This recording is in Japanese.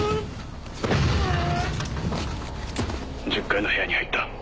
１０階の部屋に入った。